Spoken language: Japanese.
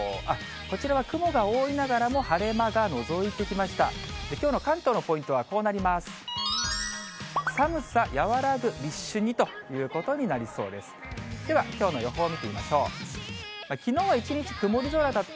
こちらは雲が多いながらも晴れ間がのぞいてきました。